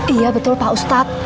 iya betul pak ustadz